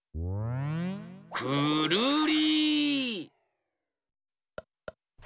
くるり！